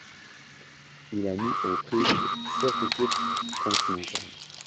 Il a mis aux prises sept équipes continentales.